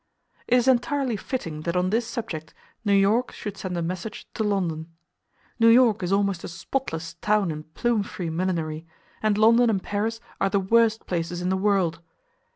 It is entirely fitting that on this subject New York should send a message to London. New York is almost a Spotless Town in plume free millinery, and London and Paris are the worst places in the world.